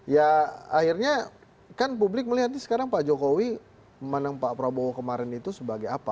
ya akhirnya kan publik melihatnya sekarang pak jokowi memandang pak prabowo kemarin itu sebagai apa